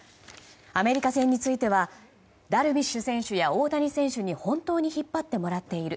アメリカ戦についてはダルビッシュ選手や大谷選手に本当に引っ張ってもらっている。